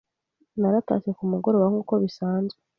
Naratashye kumugoroba nkuko bisanzwe